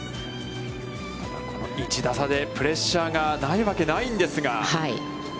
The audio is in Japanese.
１打差でプレッシャーがないわけないんですが。